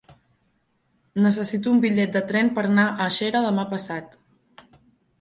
Necessito un bitllet de tren per anar a Xera demà passat.